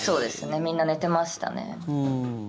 みんな寝てましたね。